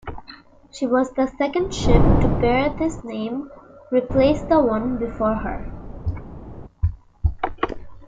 She was the second ship to bear this name, replace the one before her.